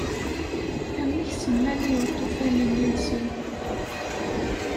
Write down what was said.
Amek semman i uṭufan-nni-nsen?